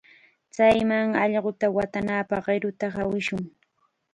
Chayman allquta watanapaq qiruta hawishun.